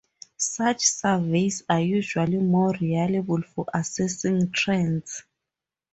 Such surveys are usually more reliable for assessing trends.